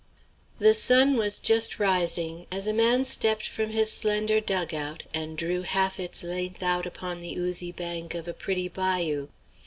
The sun was just rising, as a man stepped from his slender dug out and drew half its length out upon the oozy bank of a pretty bayou.